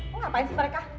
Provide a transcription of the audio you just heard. kok ngapain sih mereka